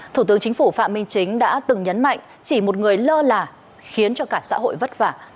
thủ tướng chính phủ phạm minh chính đã từng nhấn mạnh chỉ một người lơ là khiến cho cả xã hội vất vả